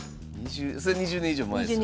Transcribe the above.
それ２０年以上前ですよね。